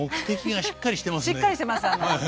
しっかりしてます。